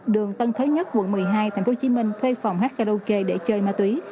đường tân thới nhất quận một mươi hai tp hcm thuê phòng hát karaoke để chơi ma túy